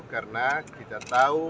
karena kita tahu